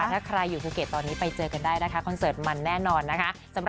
ถ้าใครอยู่ภูเก็ตตอนนี้ไปเจอกันได้นะคะคอนเสิร์ตมันแน่นอนนะคะ